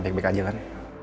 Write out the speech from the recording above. bek bek aja kan